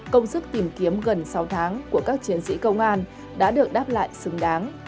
công sức tìm kiếm gần sáu tháng của các chiến sĩ công an đã được đáp lại xứng đáng